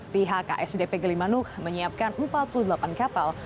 pihak ksdp gilimanuk menyiapkan empat puluh delapan kapal